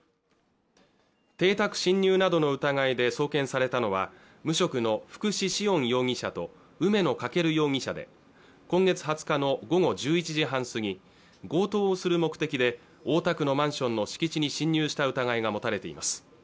邸宅侵入などの疑いで送検されたのは無職の福士至恩容疑者と梅野風翔容疑者で今月２０日の午後１１時半過ぎ強盗する目的で大田区のマンションの敷地に侵入した疑いが持たれています